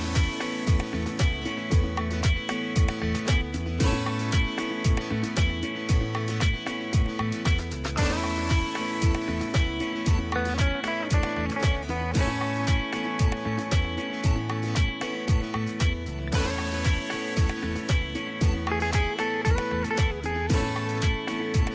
สวัสดีครับสวัสดีครับ